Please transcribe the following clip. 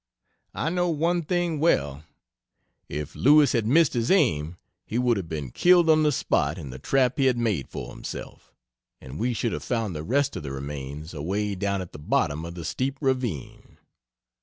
I know one thing, well; if Lewis had missed his aim he would have been killed on the spot in the trap he had made for himself, and we should have found the rest of the remains away down at the bottom of the steep ravine.